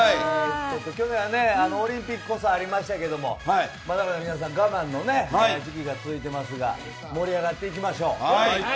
去年はオリンピックこそありましたけどもまだまだ皆さん我慢の時期が続いていますが盛り上がっていきましょう！